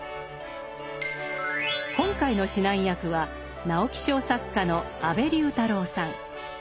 今回の指南役は直木賞作家の安部龍太郎さん。